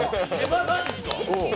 マジですか？